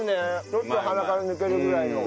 ちょっと鼻から抜けるぐらいの。